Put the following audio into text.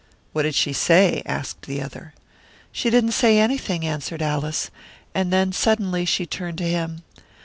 "What did she say?" asked the other. "She didn't say anything," answered Alice; and then suddenly she turned to him.